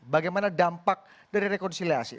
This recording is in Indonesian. bagaimana dampak dari rekonsiliasi